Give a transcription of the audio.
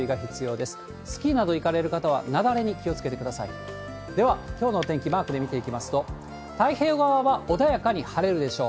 では、きょうのお天気、マークで見ていきますと、太平洋側は穏やかに晴れるでしょう。